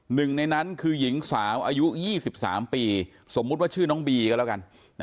หนึ่งในนั้นคือหญิงสาวอายุ๒๓ปีสมมุติว่าชื่อน้องบีก็แล้วกัน